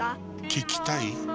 聞きたい？